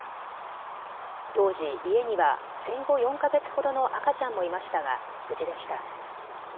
当時、家には生後４か月ほどの赤ちゃんもいましたが無事でした。